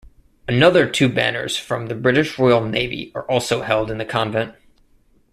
Another two banners from the British Royal Navy are also held in the convent.